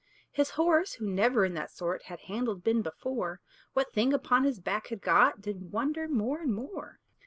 His horse, who never in that sort Had handled been before, What thing upon his back had got Did wonder more and more.